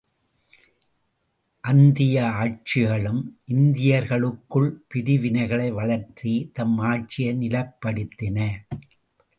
அந்திய ஆட்சிகளும் இந்தியர்களுக்குள் பிரிவினைகளை வளர்த்தே தம் ஆட்சியை நிலைப்படுத்தின.